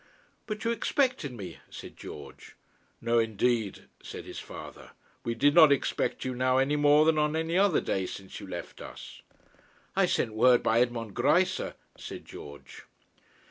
'But you expected me,' said George. 'No, indeed,' said his father. 'We did not expect you now any more than on any other day since you left us.' 'I sent word by Edmond Greisse,' said George.